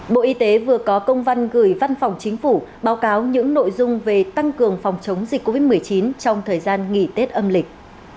bộ y tế vừa có công văn gửi văn phòng chính phủ báo cáo những nội dung về tăng cường phòng chống dịch covid một mươi chín trong thời gian nghỉ tết âm lịch